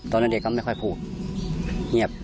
เด็กก็ไม่ค่อยพูดเงียบ